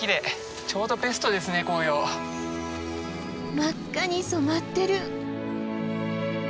真っ赤に染まってる。